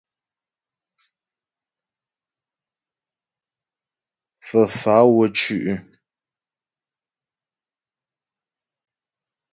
Fə́fá'a wə́ shʉ'.